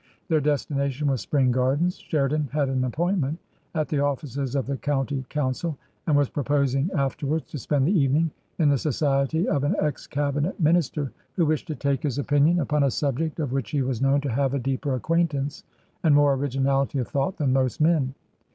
Their destination was Spring Gardens ; Sheridan had an appointment at the offices of the County Council and was proposing afterwards to spend the evening in the society of an ex cabinet minister, who wished to take his opinion upon a subject of which he was known to have a deeper acquaintance and more originality of thought than most men.